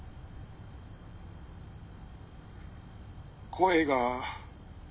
「声が」。